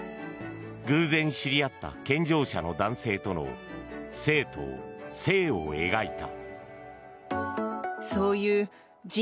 偶然知り合った健常者の男性との生と性を描いた。